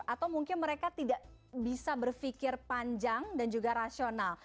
atau mungkin mereka tidak bisa berpikir panjang dan juga rasional